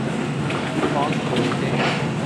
ﭨﮭﻮﻧﺲ ﺩﯾﺘﮯ ﺗﮭﮯ